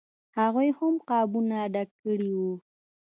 هغوی هم قابونه ډک کړي وو.